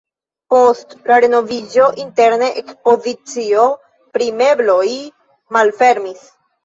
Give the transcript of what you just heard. Post la renoviĝo interne ekspozicio pri mebloj malfermis.